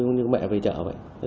ông về chợ vậy